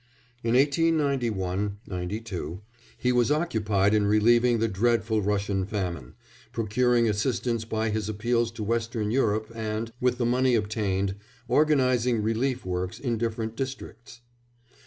In 1891 2 he was occupied in relieving the dreadful Russian famine, procuring assistance by his appeals to Western Europe and, with the money obtained, organising relief works in different districts.